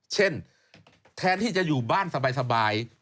เช่นแทนที่จะอยู่บ้านสบาย